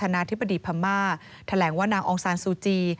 นายเดท